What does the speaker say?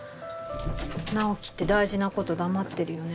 直木って大事なこと黙ってるよね